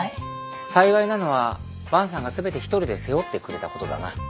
幸いなのは伴さんが全て一人で背負ってくれたことだな。